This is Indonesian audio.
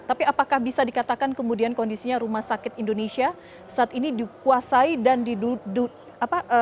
tapi apakah bisa dikatakan kemudian kondisinya rumah sakit indonesia saat ini dikuasai dan didudukan